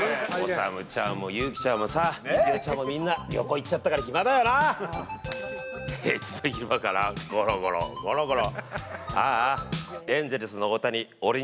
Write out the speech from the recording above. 統ちゃんも勇紀ちゃんもさみきおちゃんもみんな旅行行っちゃったから暇だよなーちょっと昼間からゴロゴロゴロゴロああ